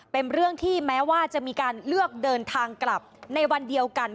เป็นเรื่องที่แม้ว่าจะมีการเลือกเดินทางกลับในวันเดียวกัน